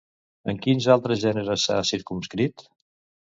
En quins altres gèneres s'ha circumscrit?